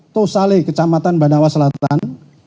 tosale kecamatan banawa selatan